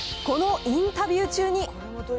このインタビュー